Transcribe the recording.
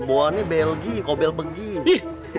buahannya bel oli klegik auteh begini